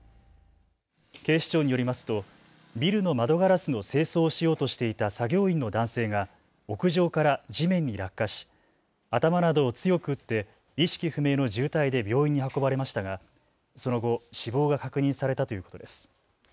警視庁によりますとビルの窓ガラスの清掃をしようとしていた作業員の男性が屋上から地面に落下し頭などを強く打って意識不明の重体で病院に運ばれましたがその後、死亡が確認されたということです。